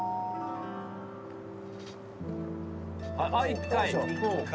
１回。